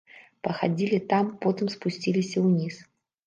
Пахадзілі там, потым спусціліся ўніз.